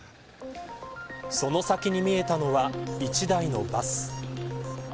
その先に見えたのは１台のバス。